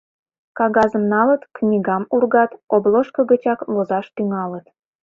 Кагазым налыт, книгам ургат, «обложко» гычак возаш тӱҥалыт.